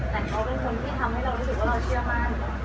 แต่เขาเป็นคนที่ทำให้เรารู้สึกว่าเราเชื่อมั่น